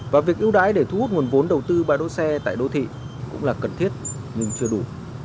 và việc ưu đái để thu hút nguồn vốn đầu tư ba đỗ xe tại đô thị cũng là cần thiết nhưng chưa đủ